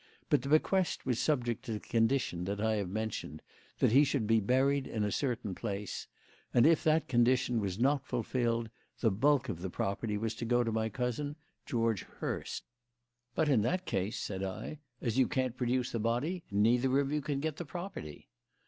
But the bequest was subject to the condition that I have mentioned that he should be buried in a certain place and if that condition was not fulfilled, the bulk of the property was to go to my cousin, George Hurst." "But in that case," said I, "as you can't produce the body, neither of you can get the property."